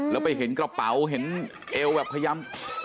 แล้วไปเห็นกระเป๋าเห็นเอวแบบพยายาม